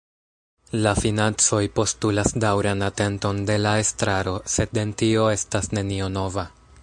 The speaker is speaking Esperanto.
La financoj postulas daŭran atenton de la estraro, sed en tio estas nenio nova.